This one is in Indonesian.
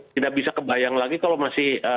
tidak bisa kebayang lagi kalau masih